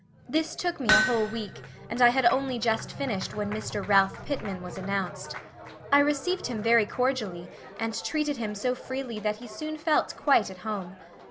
This took me a whole week and I had only just finished when Mr. Ralph Pitman was announced. I received him very cordially and treated him so freely that he soon felt quite at home.